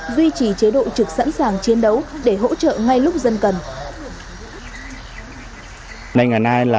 duy trì chế độ trực sẵn sàng chiến đấu để hỗ trợ ngay lúc dân cần